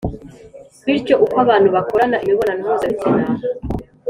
bityo uko abantu bakorana imibonano mpuzabitsina